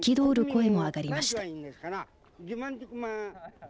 声も上がりました。